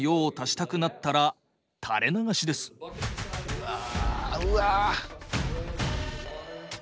うわうわ。